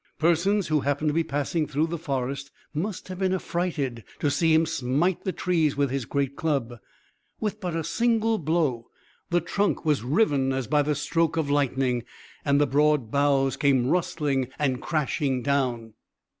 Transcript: Persons who happened to be passing through the forest must have been affrighted to see him smite the trees with his great club. With but a single blow, the trunk was riven as by the stroke of lightning and the broad boughs came rustling and crashing down.